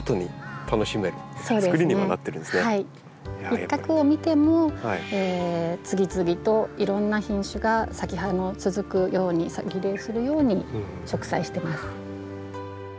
一画を見ても次々といろんな品種が続くようにリレーするように植栽してます。